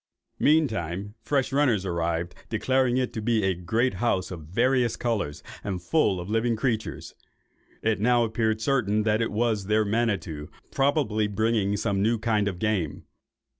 Meantime fresh runners arrived, declaring it to be a great house, of various colours, and full of living creatures. It now appeared certain that it was their Manitto, probably bringing some new kind of game.